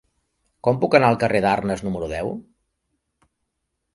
Com puc anar al carrer d'Arnes número deu?